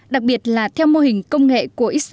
đặc biệt là theo mô hình công nghệ của israel